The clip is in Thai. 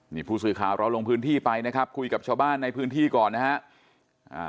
นี่ผู้สื่อข่าวเราลงพื้นที่ไปนะครับคุยกับชาวบ้านในพื้นที่ก่อนนะฮะ